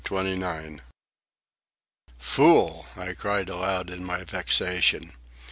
CHAPTER XXIX "Fool!" I cried aloud in my vexation.